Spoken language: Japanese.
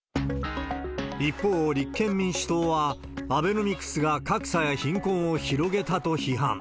一方、立憲民主党はアベノミクスが格差や貧困を広げたと批判。